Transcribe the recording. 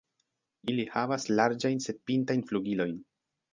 Ili havas larĝajn sed pintajn flugilojn.